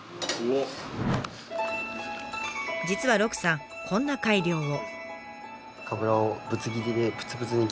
実は鹿さんこんな改良を。